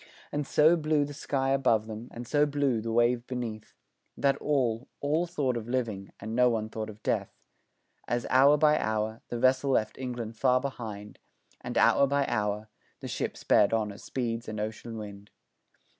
And so blue the sky above them and so blue the wave beneath, That all, all thought of living and no one thought of death, As, hour by hour, the vessel left England far behind, And, hour by hour, the ship sped on as speeds an ocean wind.